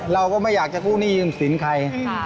เราก็ไม่อยากจะกู้หนี้ยืมสินใคร